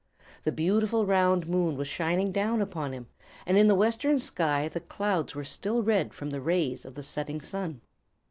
The beautiful round moon was shining down upon him, and in the western sky the clouds were still red from the rays of the setting sun.